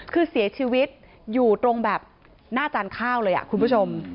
คือเสียชีวิตอยู่ตรงแบบหน้าจานข้าวเลยคุณผู้ชม